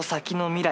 未来？